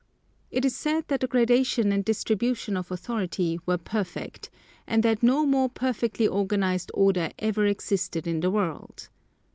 It is said that the gradation and distribution of authority were perfect, and that no more perfectly organized order ever existed in the world.